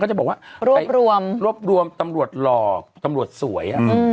รวบรวมรวบรวมตำรวจหล่อตำรวจสวย